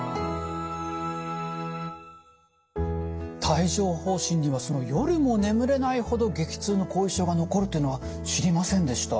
帯状ほう疹には夜も眠れないほど激痛の後遺症が残るっていうのは知りませんでした。